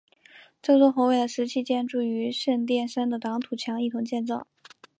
这座宏伟的石砌建筑与圣殿山的挡土墙一同建造。